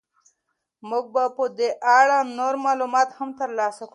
موږ به په دې اړه نور معلومات هم ترلاسه کړو.